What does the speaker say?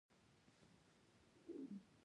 چیني ته یې هم یو هډوکی واچاوه د خوړو.